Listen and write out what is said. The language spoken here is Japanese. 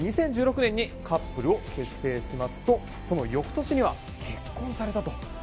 ２０１６年にカップルを結成しますとその翌年には結婚されたと。